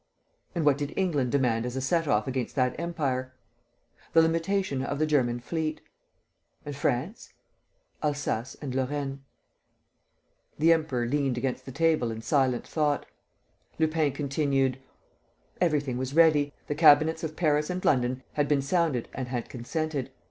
"And what did England demand as a set off against that empire?" "The limitation of the German fleet." "And France?" "Alsace and Lorraine." The Emperor leant against the table in silent thought. Lupin continued: "Everything was ready. The cabinets of Paris and London had been sounded and had consented.